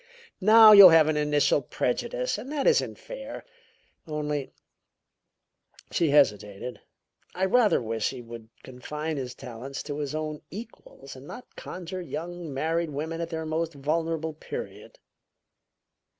Now you'll have an initial prejudice, and that isn't fair only " she hesitated "I rather wish he would confine his talents to his own equals and not conjure young married women at their most vulnerable period."